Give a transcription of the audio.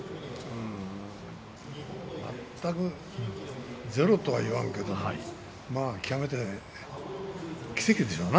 全くゼロとは言わんけども極めて奇跡でしょうな。